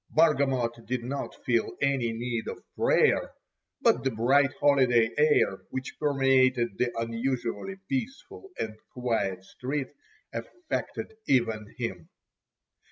Bargamot did not feel any need of prayer, but the bright holiday air which permeated the unusually peaceful and quiet street affected even him.